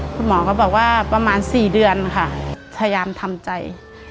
คุณหมอก็บอกว่าประมาณ๔เดือนค่ะพยายามทำใจ